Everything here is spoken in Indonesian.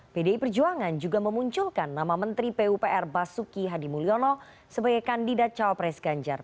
pdi perjuangan juga memunculkan nama menteri pupr basuki hadimulyono sebagai kandidat cawapres ganjar